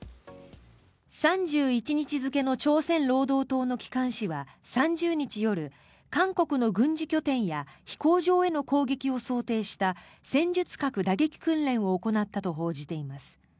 ３１日付の朝鮮労働党の機関紙は３０日夜韓国の軍事拠点や飛行場への攻撃を想定した戦術核打撃訓練を行ったと報じています。